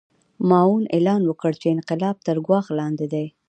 ماوو اعلان وکړ چې انقلاب تر ګواښ لاندې دی.